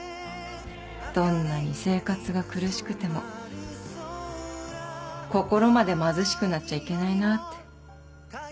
どんなに生活が苦しくても心まで貧しくなっちゃいけないなって。